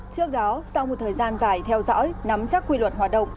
trước đó sau một thời gian dài theo dõi nắm chắc quy luật hoạt động